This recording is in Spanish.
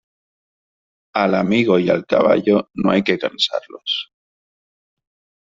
Al amigo y al caballo, no hay que cansarlos.